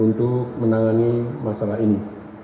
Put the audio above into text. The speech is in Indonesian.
untuk menangani masalah ini